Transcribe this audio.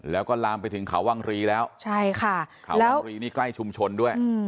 แล้วก็ลามไปถึงเขาวังรีแล้วใช่ค่ะเขาวังรีนี่ใกล้ชุมชนด้วย